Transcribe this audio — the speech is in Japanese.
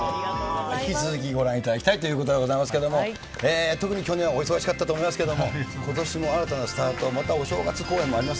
引き続きご覧いただきたいということでございますけれども、特に去年はお忙しかったと思いますけれども、ことしも新たなスタート、またお正月公演もあります